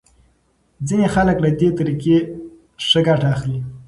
ځینې خلک له دې طریقې ښه ګټه اخلي.